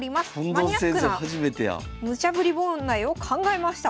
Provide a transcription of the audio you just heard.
マニアックなムチャぶり問題を考えました。